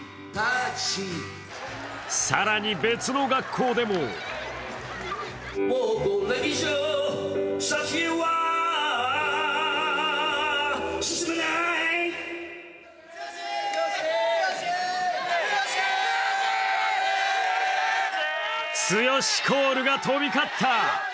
更に別の学校でも剛コールが飛び交った。